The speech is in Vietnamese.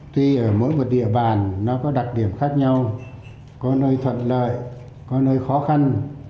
tuy ở mỗi một địa bàn nó có đặc điểm khác nhau có nơi thuận lợi có nơi khó khăn